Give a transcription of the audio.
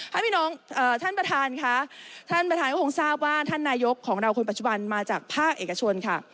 พี่น้องท่านประธานค่ะท่านประธานก็คงทราบว่าท่านนายกของเราคนปัจจุบันมาจากภาคเอกชนค่ะ